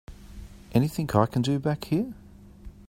Anything I can do back here?